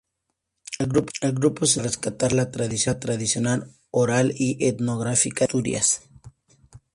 El grupo se dedica a rescatar la tradición oral y etnográfica de Asturias.